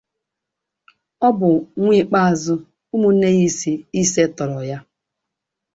O bụ nwa ikpe azụ ụmụnne ya ise tọrọ ya.